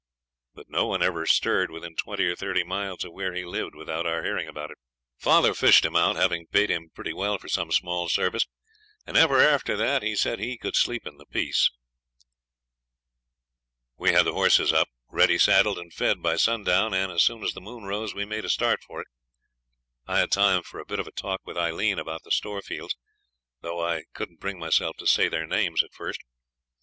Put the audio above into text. But no one ever stirred within twenty or thirty miles of where he lived without our hearing about it. Father fished him out, having paid him pretty well for some small service, and ever after that he said he could sleep in peace. We had the horses up, ready saddled and fed, by sundown, and as soon as the moon rose we made a start of it. I had time for a bit of a talk with Aileen about the Storefields, though I couldn't bring myself to say their names at first.